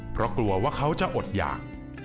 เพราะกลัวว่าเขาจะอดหยาก